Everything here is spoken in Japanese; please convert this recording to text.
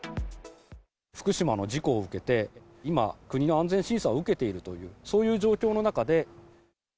福島の事故を受けて、今、国の安全審査を受けているという、そういう状況の中で。